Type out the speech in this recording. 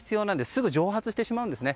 すぐ蒸発してしまうんですね。